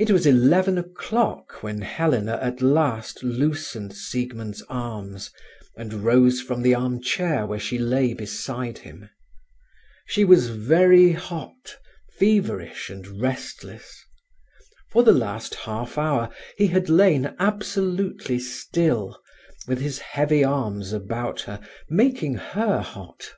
It was eleven o'clock when Helena at last loosened Siegmund's arms, and rose from the armchair where she lay beside him. She was very hot, feverish, and restless. For the last half hour he had lain absolutely still, with his heavy arms about her, making her hot.